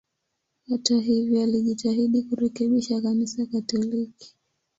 Hata hivyo, alijitahidi kurekebisha Kanisa Katoliki.